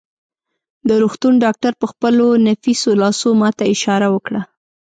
د روغتون ډاکټر په خپلو نفیسو لاسو ما ته اشاره وکړه.